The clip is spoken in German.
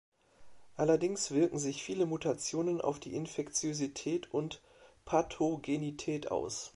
Allerdings wirken sich viele Mutationen auf die Infektiosität und Pathogenität aus.